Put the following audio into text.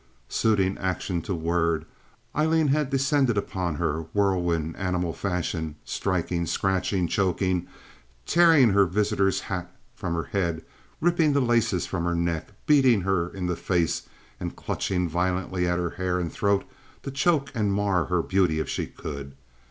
Suiting action to word, Aileen had descended upon her whirlwind, animal fashion, striking, scratching, choking, tearing her visitor's hat from her head, ripping the laces from her neck, beating her in the face, and clutching violently at her hair and throat to choke and mar her beauty if she could.